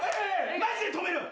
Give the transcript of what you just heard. マジで止める！